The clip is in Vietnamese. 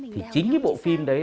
thì chính cái bộ phim đấy